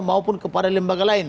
maupun kepada lembaga lain